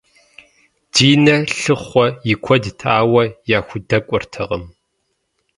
Динэ лъыхъу и куэдт, ауэ яхудэкӏуэртэкъым.